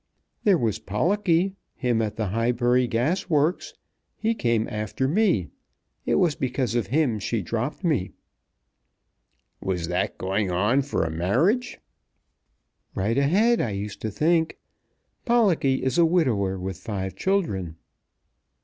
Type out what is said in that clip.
"There was Pollocky; him at the Highbury Gas Works. He came after me. It was because of him she dropped me." "Was that going on for a marriage?" "Right ahead, I used to think. Pollocky is a widower with five children."